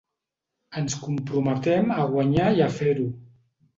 Ens comprometem a guanyar i a fer-ho.